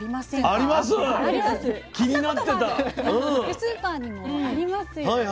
スーパーにもありますよね。